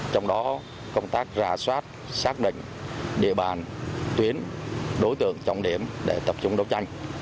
trong đó công tác rà soát xác định địa bàn tuyến đối tượng trọng điểm để tập trung đấu tranh